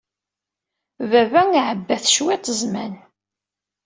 Baba iɛedda-t cwiṭ zzman.